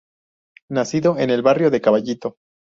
Nacido en el barrio de Caballito.